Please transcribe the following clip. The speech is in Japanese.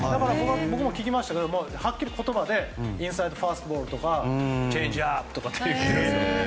僕も聞いたんですけどはっきりと言葉でインサイドファストボールとかチェンジアップとかついてて。